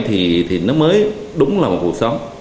thì nó mới đúng là một cuộc sống